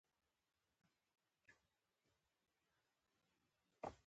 آیا پښتون یو مسلمان قوم نه دی؟